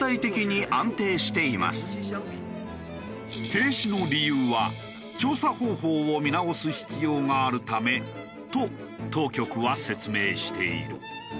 停止の理由は調査方法を見直す必要があるためと当局は説明している。